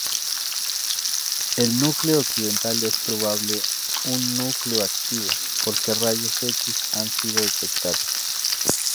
El núcleo occidental es probable un núcleo activo, porque rayos X han sido detectados.